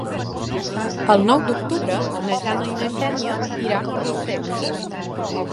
El nou d'octubre na Jana i na Xènia iran a Rossell.